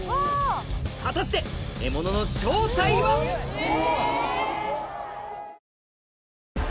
果たして獲物の正体は？え！